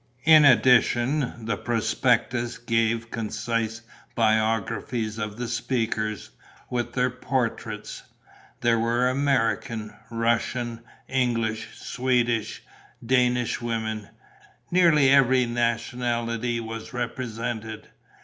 In addition the prospectus gave concise biographies of the speakers, with their portraits. There were American, Russian, English, Swedish, Danish women; nearly every nationality was represented.